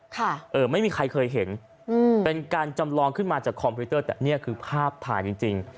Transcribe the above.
ค่ะเออไม่มีใครเคยเห็นอืมเป็นการจำลองขึ้นมาจากคอมพิวเตอร์แต่เนี้ยคือภาพถ่ายจริงจริง